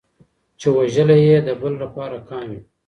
چي وژلی یې د بل لپاره قام وي